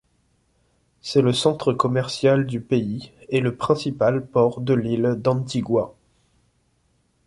C'est le centre commercial du pays et le principal port de l’île d’Antigua.